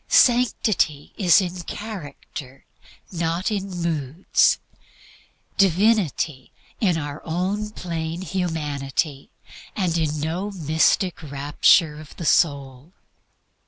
Sanctity is in character and not in moods; Divinity in our own plain calm humanity, and in no mystic rapture of the soul.